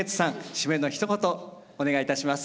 締めのひと言お願いいたします。